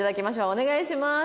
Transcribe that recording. お願いします。